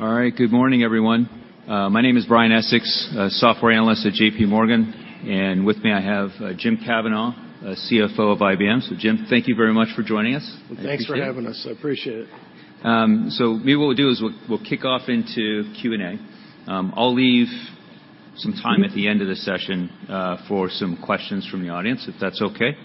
All right. Good morning, everyone. My name is Brian Essex, a software analyst at JPMorgan, and with me, I have, Jim Kavanaugh, a CFO of IBM. So Jim, thank you very much for joining us. Well, thanks for having us. I appreciate it. So maybe what we'll do is we'll kick off into Q&A. I'll leave some time at the end of the session for some questions from the audience, if that's okay.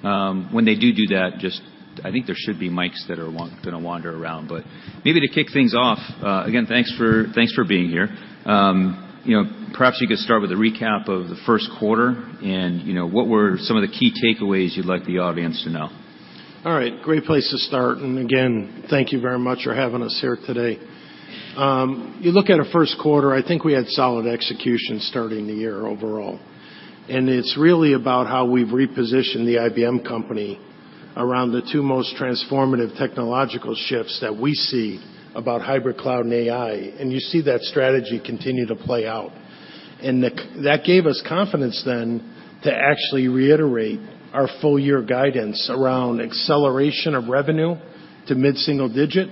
When they do that, just I think there should be mics that are gonna wander around. But maybe to kick things off, again, thanks for, thanks for being here. You know, perhaps you could start with a recap of the first quarter and, you know, what were some of the key takeaways you'd like the audience to know? All right, great place to start, and again, thank you very much for having us here today. You look at our first quarter, I think we had solid execution starting the year overall, and it's really about how we've repositioned the IBM company around the two most transformative technological shifts that we see about hybrid cloud and AI, and you see that strategy continue to play out. And that gave us confidence then to actually reiterate our full year guidance around acceleration of revenue to mid-single digit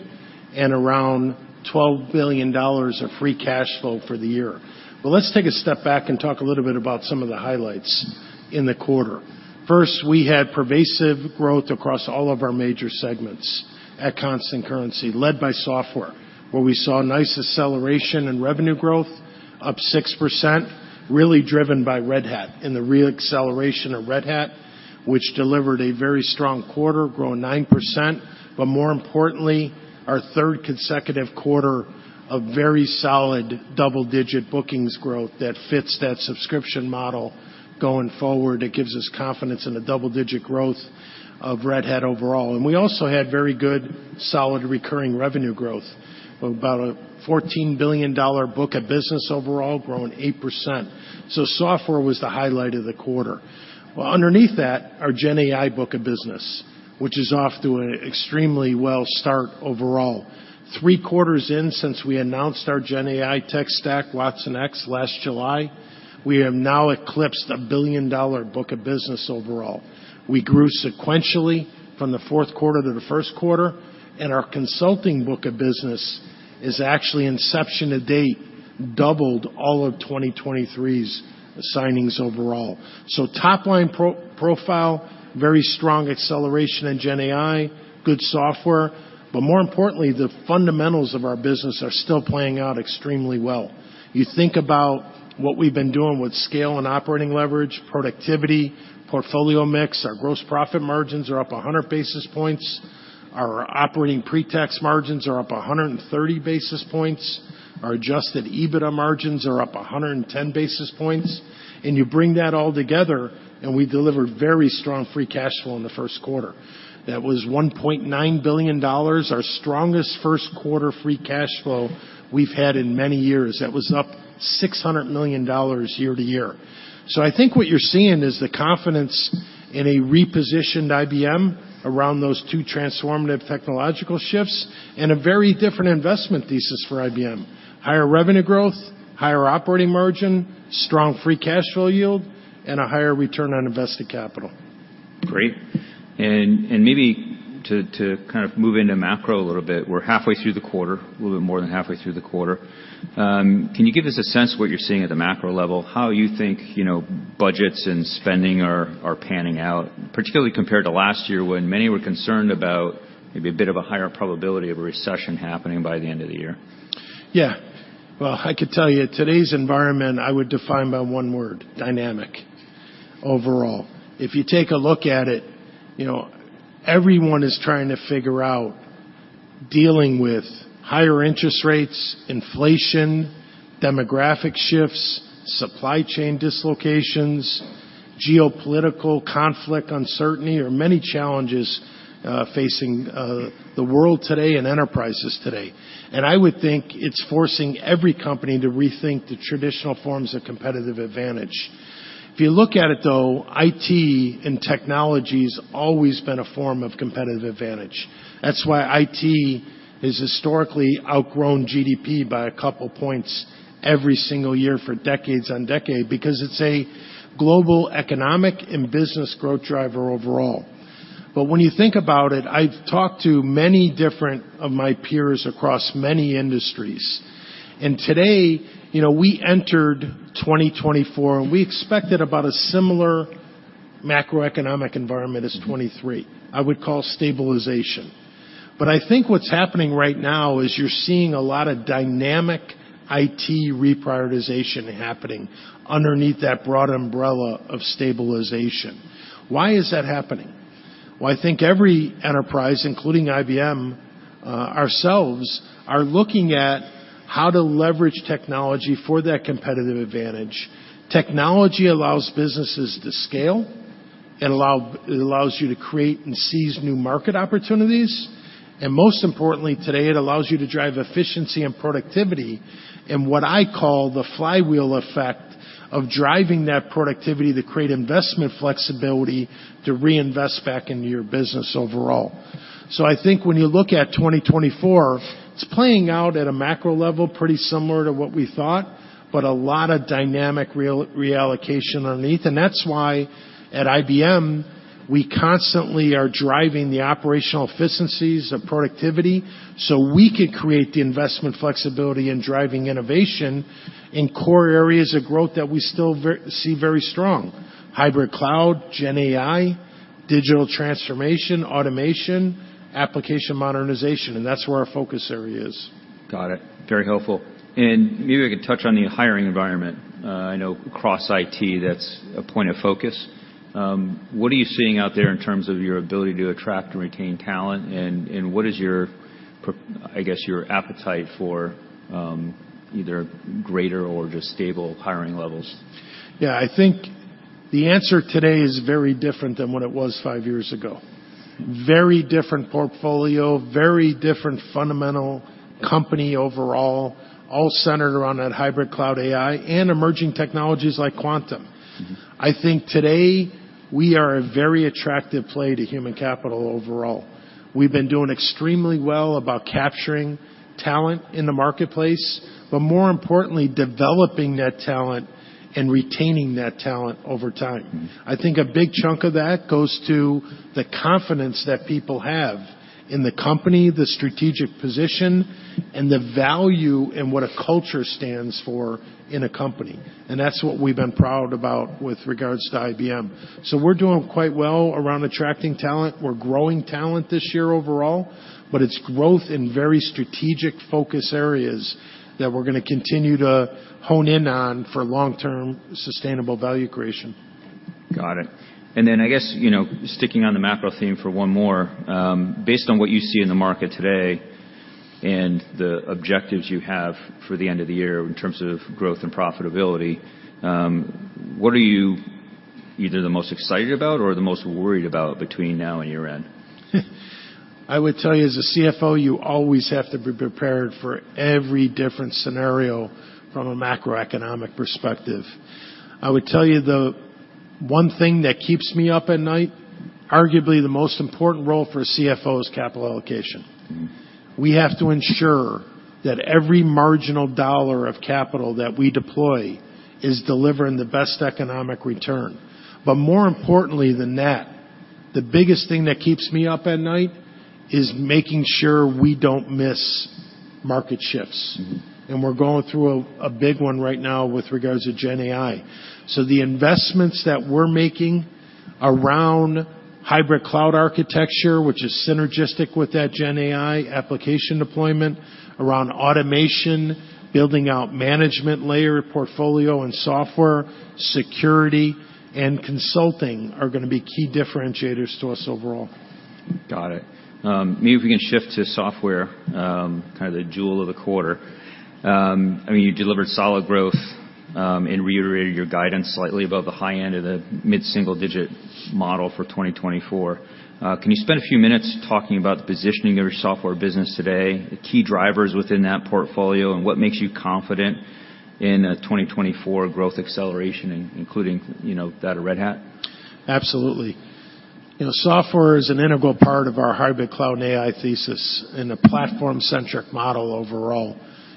and around $12 billion of free cash flow for the year. But let's take a step back and talk a little bit about some of the highlights in the quarter. First, we had pervasive growth across all of our major segments at constant currency, led by software, where we saw nice acceleration in revenue growth, up 6%, really driven by Red Hat and the re-acceleration of Red Hat, which delivered a very strong quarter, growing 9%. But more importantly, our third consecutive quarter of very solid double-digit bookings growth that fits that subscription model going forward. It gives us confidence in the double-digit growth of Red Hat overall. And we also had very good, solid, recurring revenue growth, of about a $14 billion book of business overall, growing 8%. So software was the highlight of the quarter. Well, underneath that, our GenAI book of business, which is off to an extremely well start overall. Three quarters in since we announced our GenAI tech stack, watsonx, last July, we have now eclipsed a billion-dollar book of business overall. We grew sequentially from the fourth quarter to the first quarter, and our consulting book of business is actually, inception to date, doubled all of 2023's signings overall. So top-line profile, very strong acceleration in GenAI, good software, but more importantly, the fundamentals of our business are still playing out extremely well. You think about what we've been doing with scale and operating leverage, productivity, portfolio mix. Our gross profit margins are up 100 basis points. Our operating pre-tax margins are up 130 basis points. Our adjusted EBITDA margins are up 110 basis points. And you bring that all together, and we delivered very strong free cash flow in the first quarter. That was $1.9 billion, our strongest first quarter free cash flow we've had in many years. That was up $600 million year-to-year. So I think what you're seeing is the confidence in a repositioned IBM around those two transformative technological shifts and a very different investment thesis for IBM. Higher revenue growth, higher operating margin, strong free cash flow yield, and a higher return on invested capital. Great. And maybe to kind of move into macro a little bit, we're halfway through the quarter, a little bit more than halfway through the quarter. Can you give us a sense of what you're seeing at the macro level? How you think, you know, budgets and spending are panning out, particularly compared to last year, when many were concerned about maybe a bit of a higher probability of a recession happening by the end of the year? Yeah. Well, I could tell you, today's environment, I would define by one word: dynamic, overall. If you take a look at it, you know, everyone is trying to figure out dealing with higher interest rates, inflation, demographic shifts, supply chain dislocations, geopolitical conflict uncertainty. There are many challenges facing the world today and enterprises today, and I would think it's forcing every company to rethink the traditional forms of competitive advantage. If you look at it, though, IT and technology's always been a form of competitive advantage. That's why IT has historically outgrown GDP by a couple points every single year for decades and decade, because it's a global economic and business growth driver overall. But when you think about it, I've talked to many different of my peers across many industries, and today, you know, we entered 2024, and we expected about a similar macroeconomic environment as 2023, I would call stabilization. But I think what's happening right now is you're seeing a lot of dynamic IT reprioritization happening underneath that broad umbrella of stabilization. Why is that happening? Well, I think every enterprise, including IBM, ourselves, are looking at how to leverage technology for that competitive advantage. Technology allows businesses to scale. It allows you to create and seize new market opportunities, and most importantly, today, it allows you to drive efficiency and productivity in what I call the flywheel effect of driving that productivity to create investment flexibility to reinvest back into your business overall. So I think when you look at 2024, it's playing out at a macro level, pretty similar to what we thought, but a lot of dynamic reallocation underneath. And that's why, at IBM, we constantly are driving the operational efficiencies of productivity, so we could create the investment flexibility in driving innovation in core areas of growth that we still foresee very strong: hybrid cloud, GenAI, digital transformation, automation, application modernization, and that's where our focus area is. Got it. Very helpful. And maybe we could touch on the hiring environment. I know across IT, that's a point of focus. What are you seeing out there in terms of your ability to attract and retain talent? And what is your, I guess, your appetite for either greater or just stable hiring levels? Yeah, I think the answer today is very different than what it was five years ago. Very different portfolio, very different fundamental company overall, all centered around that hybrid cloud AI and emerging technologies like quantum. Mm-hmm. I think today, we are a very attractive play to human capital overall. We've been doing extremely well about capturing talent in the marketplace, but more importantly, developing that talent and retaining that talent over time. Mm-hmm. I think a big chunk of that goes to the confidence that people have in the company, the strategic position, and the value, and what a culture stands for in a company, and that's what we've been proud about with regards to IBM. So we're doing quite well around attracting talent. We're growing talent this year overall, but it's growth in very strategic focus areas that we're gonna continue to hone in on for long-term sustainable value creation. Got it. And then, I guess, you know, sticking on the macro theme for one more, based on what you see in the market today and the objectives you have for the end of the year in terms of growth and profitability, what are you either the most excited about or the most worried about between now and year-end? I would tell you, as a CFO, you always have to be prepared for every different scenario from a macroeconomic perspective. I would tell you, the one thing that keeps me up at night, arguably the most important role for a CFO is capital allocation. Mm-hmm. We have to ensure that every marginal dollar of capital that we deploy is delivering the best economic return. But more importantly than that, the biggest thing that keeps me up at night is making sure we don't miss market shifts. Mm-hmm. We're going through a big one right now with regards to GenAI. So the investments that we're making around hybrid cloud architecture, which is synergistic with that GenAI application deployment, around automation, building out management layer portfolio and software, security, and consulting, are gonna be key differentiators to us overall. Got it. Maybe if we can shift to software, kind of the jewel of the quarter. I mean, you delivered solid growth, and reiterated your guidance slightly above the high end of the mid-single digit model for 2024. Can you spend a few minutes talking about the positioning of your software business today, the key drivers within that portfolio, and what makes you confident in a 2024 growth acceleration, including, you know, that of Red Hat? Absolutely. You know, software is an integral part of our hybrid cloud and AI thesis in a platform-centric model overall.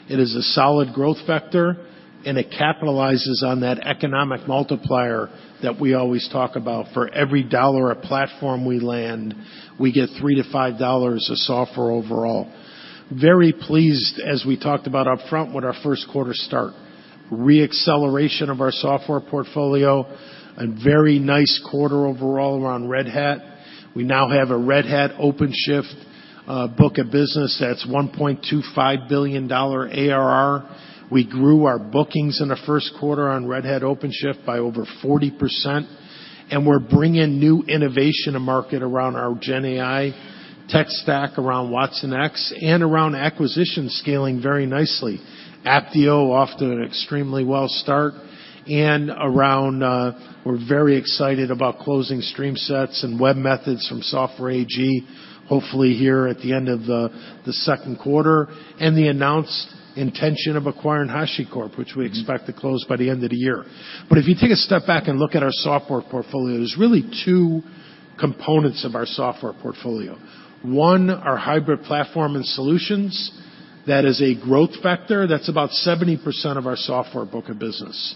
It is a solid growth vector, and it capitalizes on that economic multiplier that we always talk about. For every dollar of platform we land, we get three to five dollars of software overall. Very pleased, as we talked about upfront, with our first quarter start. Re-acceleration of our software portfolio and very nice quarter overall around Red Hat. We now have a Red Hat OpenShift book of business that's $1.25 billion ARR. We grew our bookings in the first quarter on Red Hat OpenShift by over 40%, and we're bringing new innovation to market around our GenAI tech stack, around watsonx, and around acquisition scaling very nicely. Apptio off to an extremely well start and around... We're very excited about closing StreamSets and webMethods from Software AG, hopefully here at the end of the second quarter, and the announced intention of acquiring HashiCorp, which we- Mm... expect to close by the end of the year. But if you take a step back and look at our software portfolio, there's really two components of our software portfolio. One, our hybrid platform and solutions. That is a growth vector. That's about 70% of our software book of business.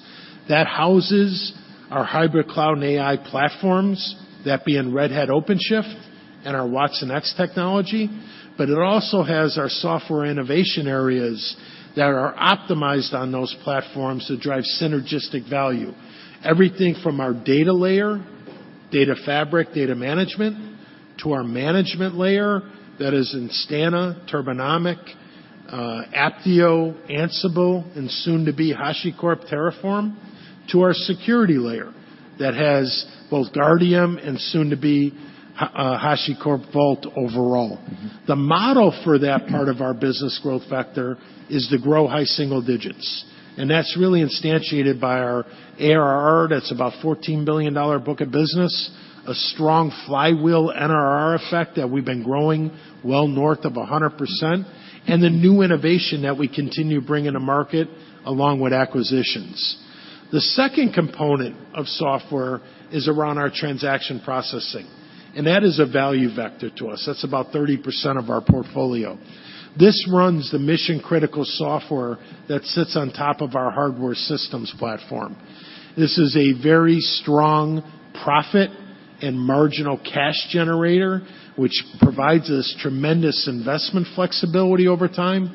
That houses our hybrid cloud and AI platforms, that being Red Hat OpenShift and our watsonx technology, but it also has our software innovation areas that are optimized on those platforms to drive synergistic value. Everything from our data layer, data fabric, data management, to our management layer, that is Instana, Turbonomic, Apptio, Ansible, and soon to be HashiCorp Terraform, to our security layer that has both Guardium and soon to be HashiCorp Vault overall. Mm-hmm. The model for that part of our business growth vector is to grow high single digits, and that's really instantiated by our ARR, that's about $14 billion book of business, a strong flywheel NRR effect that we've been growing well north of 100%, and the new innovation that we continue bringing to market, along with acquisitions. The second component of software is around our transaction processing, and that is a value vector to us. That's about 30% of our portfolio. This runs the mission-critical software that sits on top of our hardware systems platform. This is a very strong profit and marginal cash generator, which provides us tremendous investment flexibility over time,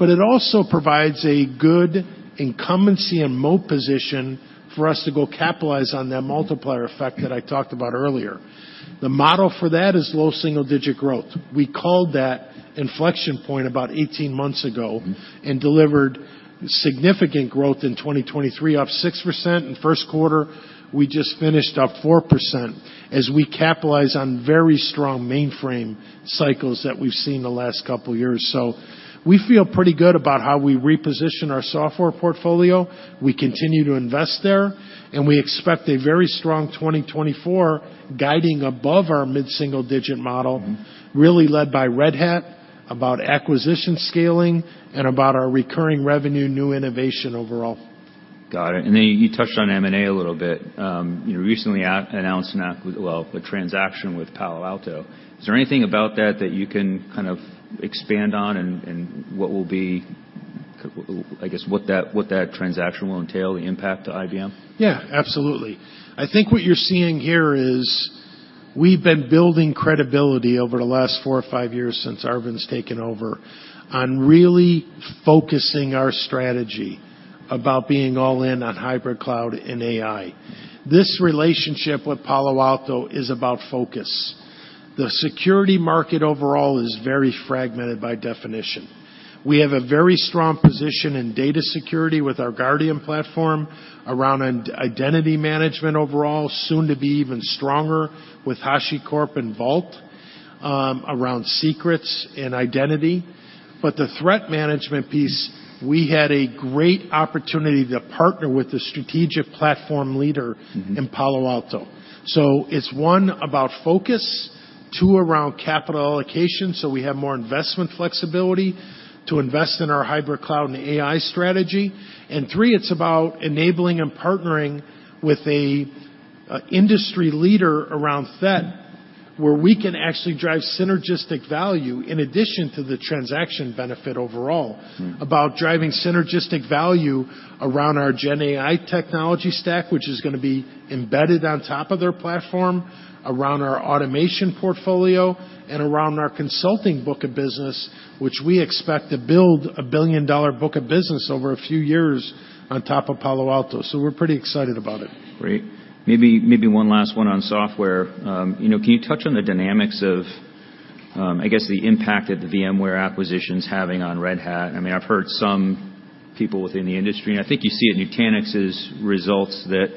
but it also provides a good incumbency and moat position for us to go capitalize on that multiplier effect that I talked about earlier. The model for that is low single-digit growth. We called that inflection point about 18 months ago- Mm-hmm. -and delivered significant growth in 2023, up 6%. In first quarter, we just finished up 4%, as we capitalize on very strong mainframe cycles that we've seen the last couple years. So we feel pretty good about how we reposition our software portfolio. We continue to invest there, and we expect a very strong 2024, guiding above our mid-single digit model- Mm-hmm. really led by Red Hat, about acquisition scaling, and about our recurring revenue, new innovation overall. Got it. And then you touched on M&A a little bit. You recently announced a transaction with Palo Alto. Is there anything about that that you can kind of expand on, and what will be, I guess, what that transaction will entail, the impact to IBM? Yeah, absolutely. I think what you're seeing here is, we've been building credibility over the last four or five years since Arvind's taken over, on really focusing our strategy about being all in on hybrid cloud and AI. This relationship with Palo Alto is about focus. The security market overall is very fragmented by definition. We have a very strong position in data security with our Guardium platform, around identity management overall, soon to be even stronger with HashiCorp and Vault, around secrets and identity. But the threat management piece, we had a great opportunity to partner with the strategic platform leader- Mm-hmm... in Palo Alto. So it's, one, about focus, two, around capital allocation, so we have more investment flexibility to invest in our hybrid cloud and AI strategy, and three, it's about enabling and partnering with a, industry leader around Fed, where we can actually drive synergistic value in addition to the transaction benefit overall. Hmm. About driving synergistic value around our GenAI technology stack, which is gonna be embedded on top of their platform, around our automation portfolio, and around our consulting book of business, which we expect to build a billion-dollar book of business over a few years on top of Palo Alto. So we're pretty excited about it. Great. Maybe one last one on software. You know, can you touch on the dynamics of, I guess, the impact that the VMware acquisition's having on Red Hat? I mean, I've heard some people within the industry, and I think you see it in Nutanix's results that,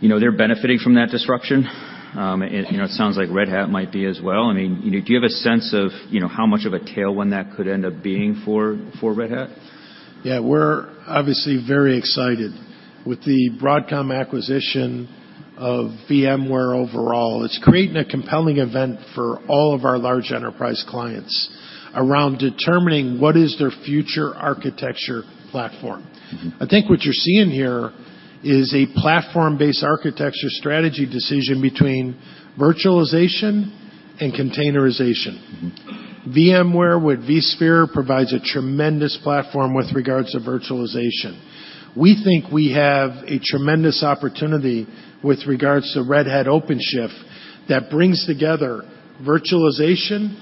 you know, they're benefiting from that disruption. And, you know, it sounds like Red Hat might be as well. I mean, you know, do you have a sense of, you know, how much of a tailwind that could end up being for Red Hat? Yeah. We're obviously very excited with the Broadcom acquisition of VMware overall. It's creating a compelling event for all of our large enterprise clients around determining what is their future architecture platform. Mm-hmm. I think what you're seeing here is a platform-based architecture strategy decision between virtualization and containerization. Mm-hmm. VMware, with vSphere, provides a tremendous platform with regards to virtualization. We think we have a tremendous opportunity with regards to Red Hat OpenShift, that brings together virtualization,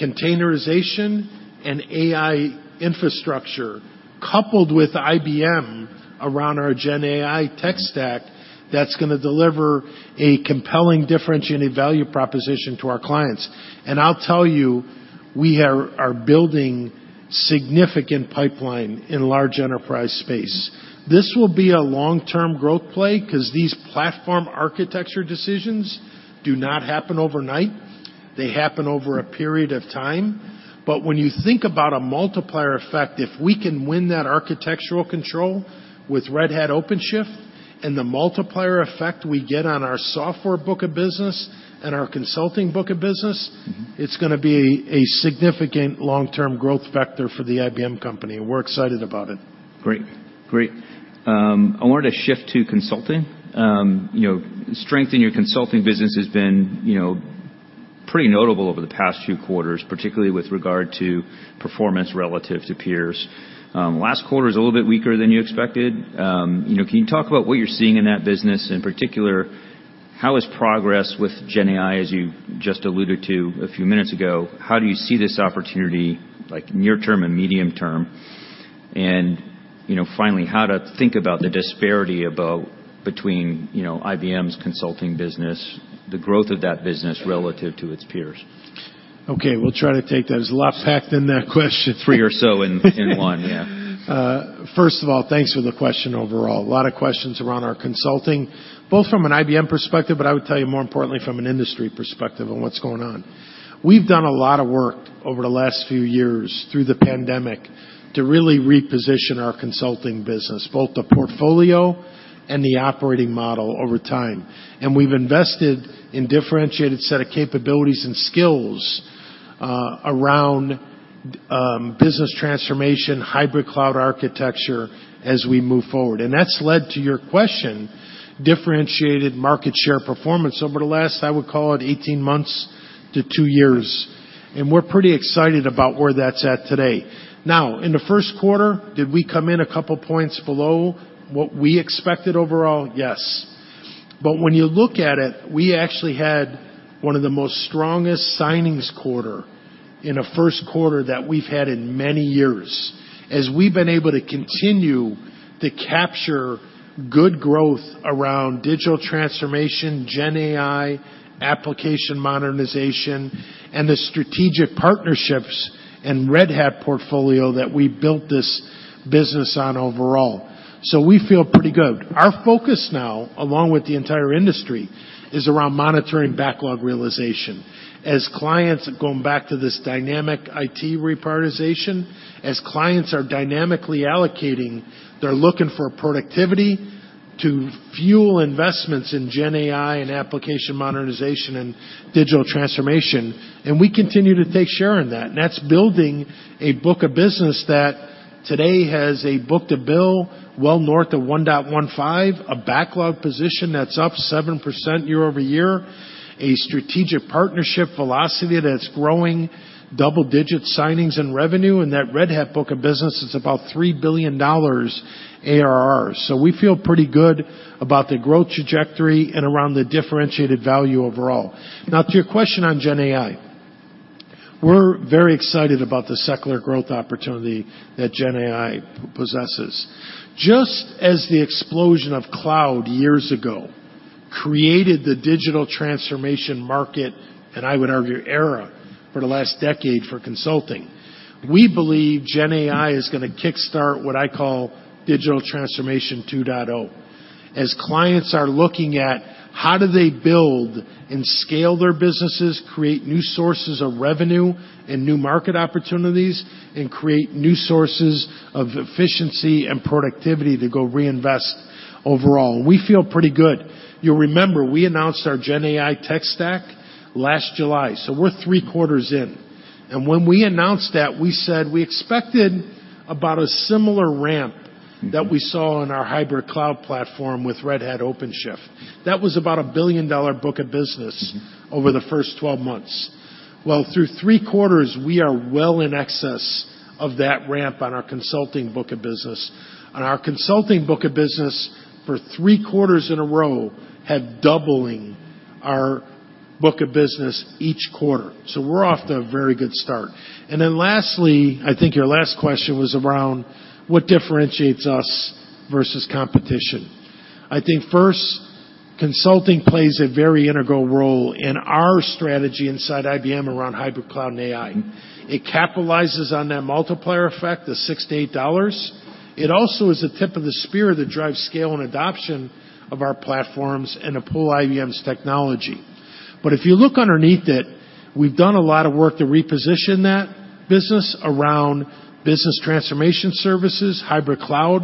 containerization, and AI infrastructure, coupled with IBM around our GenAI tech stack, that's gonna deliver a compelling, differentiated value proposition to our clients. And I'll tell you, we are building significant pipeline in large enterprise space. This will be a long-term growth play, 'cause these platform architecture decisions do not happen overnight. They happen over a period of time. But when you think about a multiplier effect, if we can win that architectural control with Red Hat OpenShift, and the multiplier effect we get on our software book of business and our consulting book of business- Mm-hmm... it's gonna be a significant long-term growth vector for the IBM company, and we're excited about it. Great. Great. I wanted to shift to consulting. You know, strength in your consulting business has been, you know, pretty notable over the past few quarters, particularly with regard to performance relative to peers. Last quarter was a little bit weaker than you expected. You know, can you talk about what you're seeing in that business? In particular, how is progress with GenAI, as you just alluded to a few minutes ago? How do you see this opportunity, like, near term and medium term? And, you know, finally, how to think about the disparity between, you know, IBM's consulting business, the growth of that business relative to its peers? Okay, we'll try to take that. There's a lot packed in that question. Three or so in one, yeah. First of all, thanks for the question overall. A lot of questions around our consulting, both from an IBM perspective, but I would tell you more importantly, from an industry perspective on what's going on. We've done a lot of work over the last few years, through the pandemic, to really reposition our consulting business, both the portfolio and the operating model over time. And we've invested in differentiated set of capabilities and skills, around business transformation, hybrid cloud architecture, as we move forward. And that's led to your question, differentiated market share performance over the last, I would call it, 18 months to 2 years, and we're pretty excited about where that's at today. Now, in the first quarter, did we come in a couple points below what we expected overall? Yes. But when you look at it, we actually had one of the most strongest signings quarter in a first quarter that we've had in many years, as we've been able to continue to capture good growth around digital transformation, GenAI, application modernization, and the strategic partnerships and Red Hat portfolio that we built this business on overall. So we feel pretty good. Our focus now, along with the entire industry, is around monitoring backlog realization. As clients are going back to this dynamic IT reprioritization, as clients are dynamically allocating, they're looking for productivity to fuel investments in GenAI and application modernization and digital transformation, and we continue to take share in that. And that's building a book of business that today has a book-to-bill well north of 1.15, a backlog position that's up 7% year-over-year, a strategic partnership velocity that's growing double-digit signings and revenue, and that Red Hat book of business is about $3 billion ARR. So we feel pretty good about the growth trajectory and around the differentiated value overall. Now, to your question on GenAI, we're very excited about the secular growth opportunity that GenAI possesses. Just as the explosion of cloud years ago created the digital transformation market, and I would argue, era, for the last decade for consulting, we believe GenAI is gonna kickstart what I call Digital Transformation 2.0. As clients are looking at how do they build and scale their businesses, create new sources of revenue and new market opportunities, and create new sources of efficiency and productivity to go reinvest overall? We feel pretty good. You'll remember we announced our GenAI tech stack last July, so we're three quarters in. And when we announced that, we said we expected about a similar ramp that we saw in our hybrid cloud platform with Red Hat OpenShift. That was about a $1 billion book of business over the first 12 months. Well, through three quarters, we are well in excess of that ramp on our consulting book of business. On our consulting book of business, for three quarters in a row, had doubling our book of business each quarter. So we're off to a very good start. And then lastly, I think your last question was around what differentiates us versus competition. I think, first, consulting plays a very integral role in our strategy inside IBM around hybrid cloud and AI. It capitalizes on that multiplier effect, the $68. It also is the tip of the spear that drives scale and adoption of our platforms and to pull IBM's technology. But if you look underneath it, we've done a lot of work to reposition that business around business transformation services, hybrid cloud.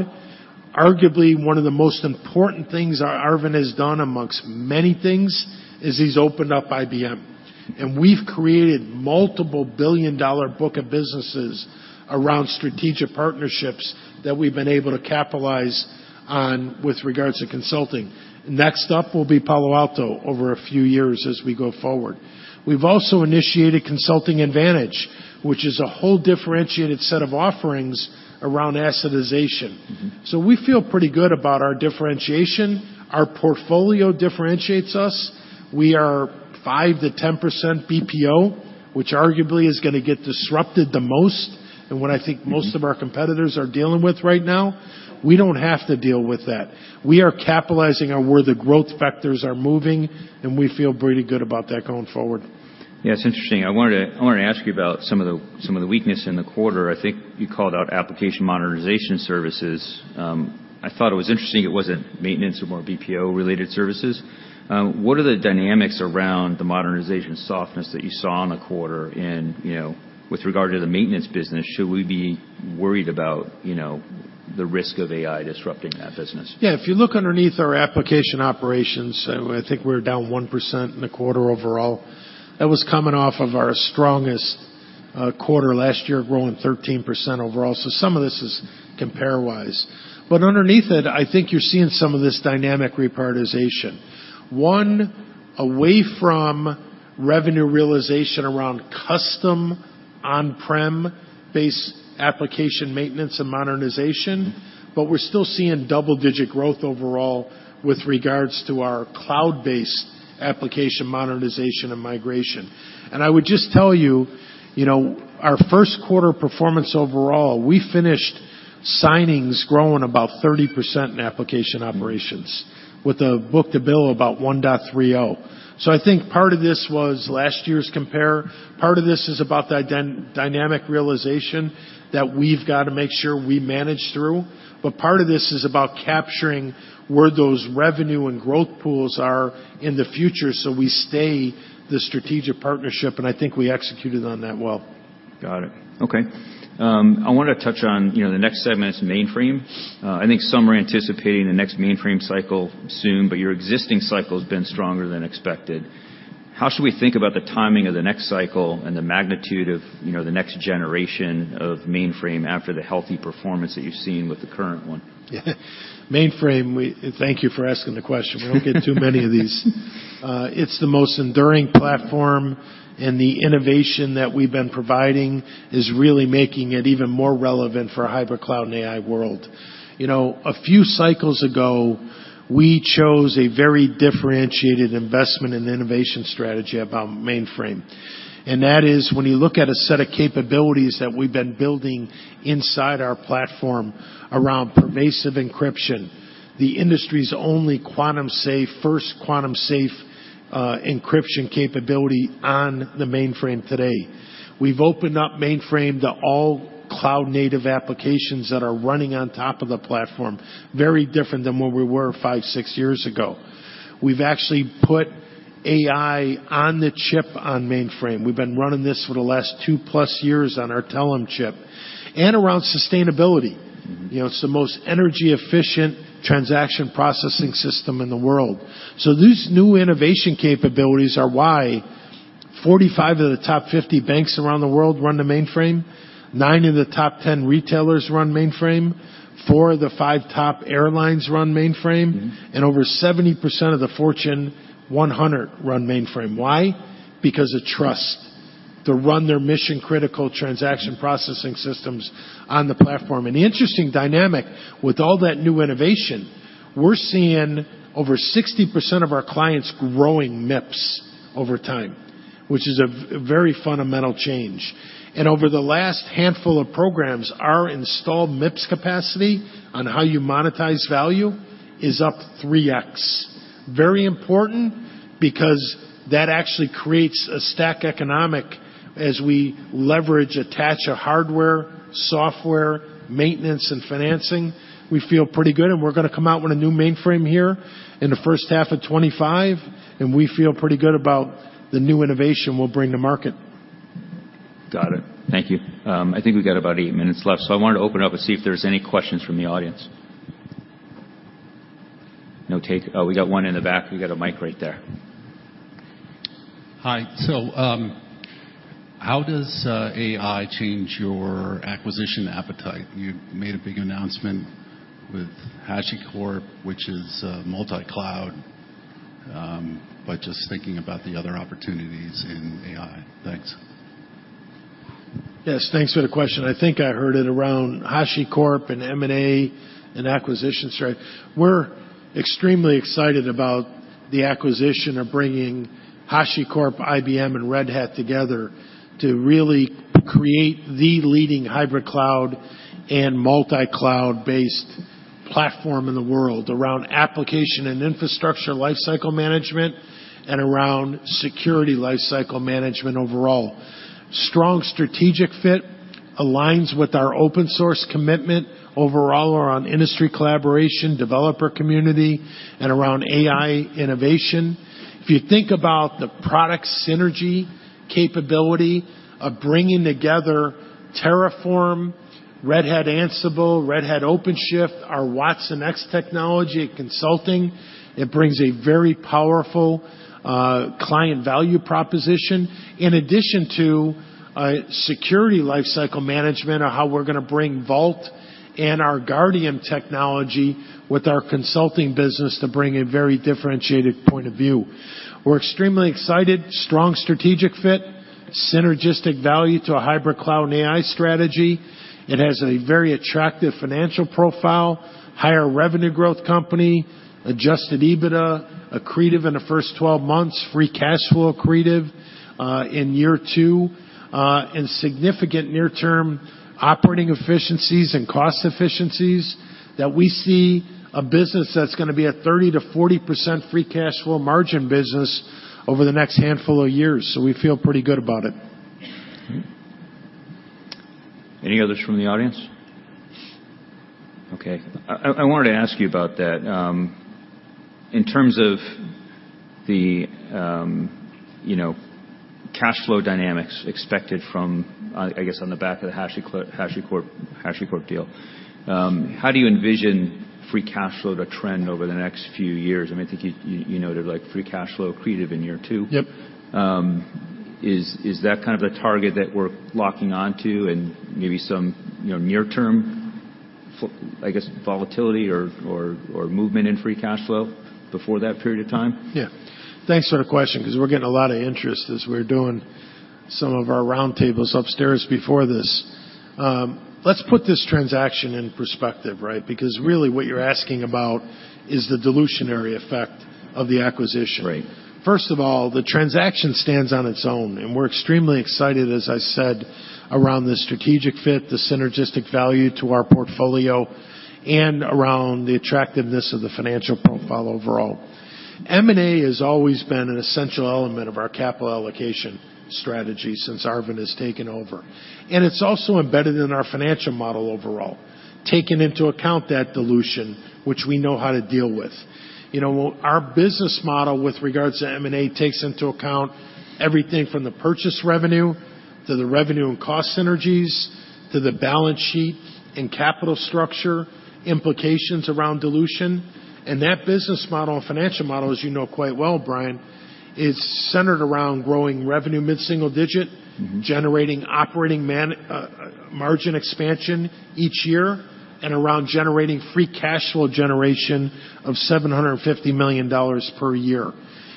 Arguably, one of the most important things Arvind has done, amongst many things, is he's opened up IBM, and we've created multiple billion-dollar book of businesses around strategic partnerships that we've been able to capitalize on with regards to consulting. Next up will be Palo Alto over a few years as we go forward. We've also initiated Consulting Advantage, which is a whole differentiated set of offerings around assetization. Mm-hmm. We feel pretty good about our differentiation. Our portfolio differentiates us. We are 5%-10% BPO, which arguably is gonna get disrupted the most, and what I think most of our competitors are dealing with right now, we don't have to deal with that. We are capitalizing on where the growth vectors are moving, and we feel pretty good about that going forward. Yeah, it's interesting. I wanted to ask you about some of the weakness in the quarter. I think you called out application modernization services. I thought it was interesting it wasn't maintenance or more BPO-related services. What are the dynamics around the modernization softness that you saw in the quarter in, you know, with regard to the maintenance business, should we be worried about, you know, the risk of AI disrupting that business? Yeah. If you look underneath our application operations, I think we're down 1% in the quarter overall. That was coming off of our strongest quarter last year, growing 13% overall. So some of this is compare-wise. But underneath it, I think you're seeing some of this dynamic reprioritization. One, away from revenue realization around custom on-prem-based application maintenance and modernization, but we're still seeing double-digit growth overall with regards to our cloud-based application modernization and migration. And I would just tell you, you know, our first quarter performance overall, we finished signings growing about 30% in application operations, with a book-to-bill about 1.30. So I think part of this was last year's compare. Part of this is about the dynamic realization that we've got to make sure we manage through. But part of this is about capturing where those revenue and growth pools are in the future, so we stay the strategic partnership, and I think we executed on that well. Got it. Okay. I wanted to touch on, you know, the next segment is mainframe. I think some are anticipating the next mainframe cycle soon, but your existing cycle has been stronger than expected. How should we think about the timing of the next cycle and the magnitude of, you know, the next generation of mainframe after the healthy performance that you've seen with the current one? Mainframe, thank you for asking the question. We don't get too many of these. It's the most enduring platform, and the innovation that we've been providing is really making it even more relevant for a hybrid cloud and AI world. You know, a few cycles ago, we chose a very differentiated investment in innovation strategy about mainframe. And that is, when you look at a set of capabilities that we've been building inside our platform around pervasive encryption, the industry's only quantum safe, first quantum safe, encryption capability on the mainframe today. We've opened up mainframe to all cloud-native applications that are running on top of the platform, very different than where we were five, six years ago. We've actually put AI on the chip on mainframe. We've been running this for the last 2+ years on our Telum chip. And around sustainability. Mm-hmm. You know, it's the most energy-efficient transaction processing system in the world. So these new innovation capabilities are why 45 of the top 50 banks around the world run the mainframe, 9 of the top 10 retailers run mainframe, 4 of the 5 top airlines run mainframe- Mm-hmm. and over 70% of the Fortune 100 run mainframe. Why? Because of trust to run their mission-critical transaction processing systems on the platform. And the interesting dynamic with all that new innovation, we're seeing over 60% of our clients growing MIPS over time, which is a very fundamental change. And over the last handful of programs, our installed MIPS capacity on how you monetize value is up 3x. Very important because that actually creates a stack economics as we leverage, attach a hardware, software, maintenance, and financing, we feel pretty good, and we're gonna come out with a new mainframe here in the first half of 2025, and we feel pretty good about the new innovation we'll bring to market. Got it. Thank you. I think we've got about eight minutes left, so I wanted to open it up and see if there's any questions from the audience. Oh, we got one in the back. We got a mic right there. Hi. So, how does AI change your acquisition appetite? You made a big announcement with HashiCorp, which is multi-cloud, but just thinking about the other opportunities in AI. Thanks. Yes, thanks for the question. I think I heard it around HashiCorp and M&A and acquisition strategy. We're extremely excited about the acquisition of bringing HashiCorp, IBM, and Red Hat together to really create the leading hybrid cloud and multi-cloud-based platform in the world, around application and infrastructure lifecycle management and around security lifecycle management overall. Strong strategic fit, aligns with our open source commitment overall around industry collaboration, developer community, and around AI innovation. If you think about the product synergy capability of bringing together Terraform, Red Hat Ansible, Red Hat OpenShift, our watsonx technology, and consulting, it brings a very powerful client value proposition. In addition to a security lifecycle management, or how we're gonna bring Vault and our Guardium technology with our consulting business to bring a very differentiated point of view. We're extremely excited, strong strategic fit, synergistic value to a Hybrid Cloud and AI strategy. It has a very attractive financial profile, higher revenue growth company, adjusted EBITDA, accretive in the first 12 months, free cash flow accretive, in year two, and significant near-term operating efficiencies and cost efficiencies, that we see a business that's gonna be a 30%-40% free cash flow margin business over the next handful of years. So we feel pretty good about it. Any others from the audience? Okay, I wanted to ask you about that. In terms of the, you know, cash flow dynamics expected from, I guess, on the back of the HashiCorp deal, how do you envision free cash flow to trend over the next few years? I mean, I think you noted, like, free cash flow accretive in year two. Yep. Is that kind of the target that we're locking on to and maybe some, you know, near-term—I guess, volatility or movement in free cash flow before that period of time? Yeah. Thanks for the question, 'cause we're getting a lot of interest as we're doing some of our round tables upstairs before this. Let's put this transaction in perspective, right? Because really what you're asking about is the dilutionary effect of the acquisition. Right. First of all, the transaction stands on its own, and we're extremely excited, as I said, around the strategic fit, the synergistic value to our portfolio, and around the attractiveness of the financial profile overall. M&A has always been an essential element of our capital allocation strategy since Arvind has taken over, and it's also embedded in our financial model overall, taking into account that dilution, which we know how to deal with. You know, our business model with regards to M&A takes into account everything from the purchase revenue to the revenue and cost synergies, to the balance sheet and capital structure, implications around dilution. And that business model and financial model, as you know quite well, Brian, is centered around growing revenue mid-single digit- Mm-hmm. generating operating margin expansion each year, and around generating free cash flow generation of $750 million per year.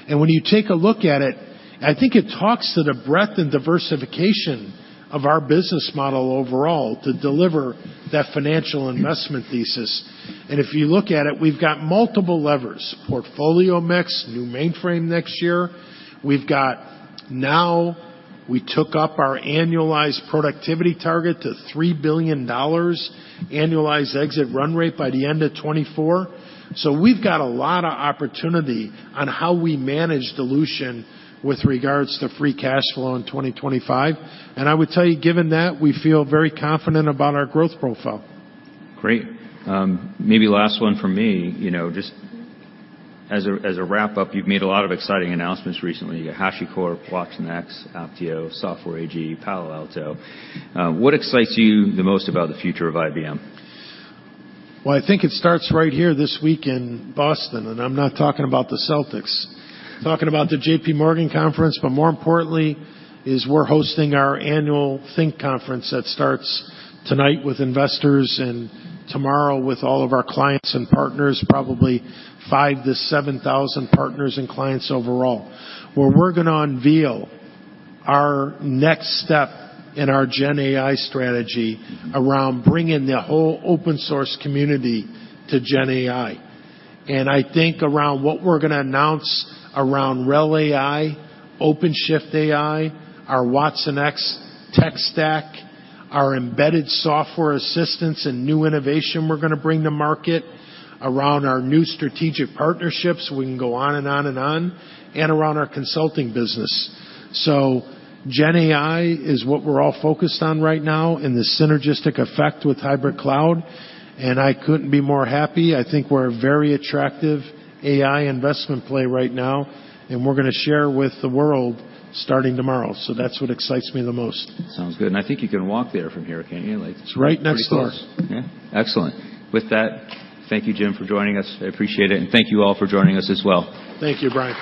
And when you take a look at it, I think it talks to the breadth and diversification of our business model overall to deliver that financial investment thesis. And if you look at it, we've got multiple levers: portfolio mix, new mainframe next year. We've got, now, we took up our annualized productivity target to $3 billion, annualized exit run rate by the end of 2024. So we've got a lot of opportunity on how we manage dilution with regards to free cash flow in 2025. And I would tell you, given that, we feel very confident about our growth profile. Great. Maybe last one from me. You know, just as a, as a wrap-up, you've made a lot of exciting announcements recently: HashiCorp, watsonx, Apptio, Software AG, Palo Alto. What excites you the most about the future of IBM? Well, I think it starts right here this week in Boston, and I'm not talking about the Celtics. I'm talking about the JPMorgan conference, but more importantly, is we're hosting our annual Think conference that starts tonight with investors and tomorrow with all of our clients and partners, probably 5,000-7,000 partners and clients overall, where we're gonna unveil our next step in our GenAI strategy- Mm-hmm... around bringing the whole open source community to GenAI. And I think around what we're gonna announce around RHEL AI, OpenShift AI, our watsonx tech stack, our embedded software assistance and new innovation we're gonna bring to market, around our new strategic partnerships, we can go on and on and on, and around our consulting business. So GenAI is what we're all focused on right now, and the synergistic effect with hybrid cloud, and I couldn't be more happy. I think we're a very attractive AI investment play right now, and we're gonna share with the world starting tomorrow. So that's what excites me the most. Sounds good. And I think you can walk there from here, can't you? Like- It's right next door. Pretty close. Yeah. Excellent. With that, thank you, Jim, for joining us. I appreciate it, and thank you all for joining us as well. Thank you, Brian.